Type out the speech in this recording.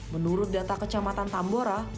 menurut data kecamatan tambora